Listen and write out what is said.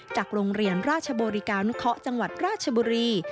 จากโรงเรียนราชบริการนุเคาะจังหวัดราชบุรี